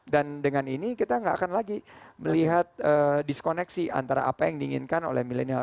dan dengan ini kita tidak akan lagi melihat diskoneksi antara apa yang diinginkan oleh milenial